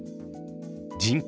人口